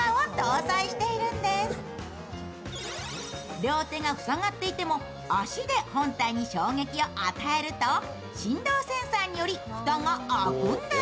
両手が塞がっていても足で本体に衝撃を与えると振動センサーにより蓋が開くんです。